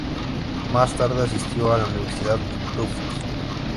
Más tarde asistió a la Universidad Tufts.